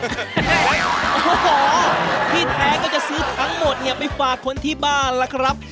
โอ้โหที่แท้ก็จะซื้อทั้งหมดเนี่ยไปฝากคนที่บ้านล่ะครับ